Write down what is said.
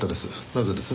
なぜです？